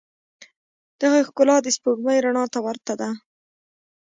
د هغې ښکلا د سپوږمۍ رڼا ته ورته ده.